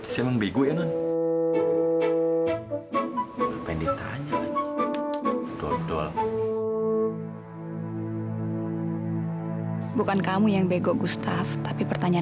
sampai jumpa di video selanjutnya